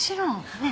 ねえ。